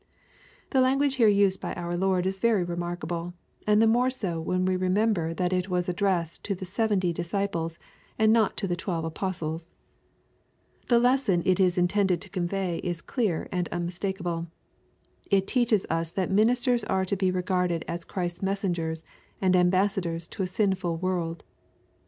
'' The language here used by our Lord is very remark able, and the more so when we remember that it was addressed to the seventy disciples, and not to the twelve apostles. The lesson it is intended to convey is clear and unmistakable It teaches us that ministers are to be regarded as Christ's messengers and ambassadors to a sinful world.